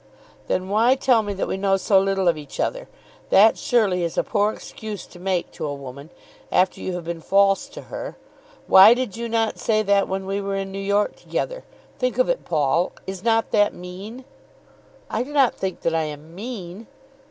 "Then why tell me that we know so little of each other? That, surely, is a poor excuse to make to a woman, after you have been false to her. Why did you not say that when we were in New York together? Think of it, Paul. Is not that mean?" "I do not think that I am mean."